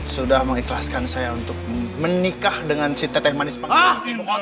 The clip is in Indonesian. sudah mengikhlaskan saya untuk menikah dengan si teteh manis pak